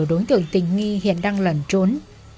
đối tượng tình nghi hiện đang lẩn trốn